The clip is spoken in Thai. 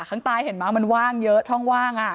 ข้างใต้เห็นไหมมันว่างเยอะช่องว่าง